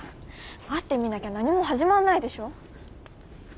会ってみなきゃ何も始まんないでしょ。